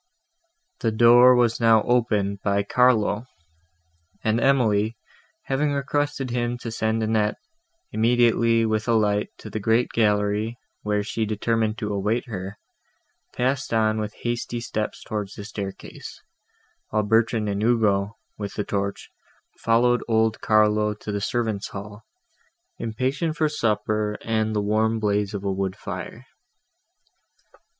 The door was now opened by Carlo; and Emily, having requested him to send Annette immediately with a light to the great gallery, where she determined to await her, passed on with hasty steps towards the staircase; while Bertrand and Ugo, with the torch, followed old Carlo to the servants' hall, impatient for supper and the warm blaze of a wood fire.